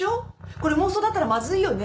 これ妄想だったらまずいよね。